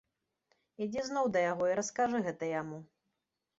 Ідзі зноў да яго і раскажы гэта яму.